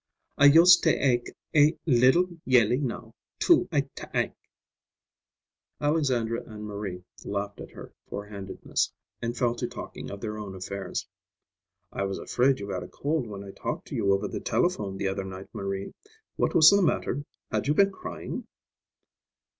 "I yust ta ake a liddle yelly now, too, I ta ank." Alexandra and Marie laughed at her forehandedness, and fell to talking of their own affairs. "I was afraid you had a cold when I talked to you over the telephone the other night, Marie. What was the matter, had you been crying?"